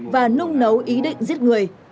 và nung nấu ý định giết người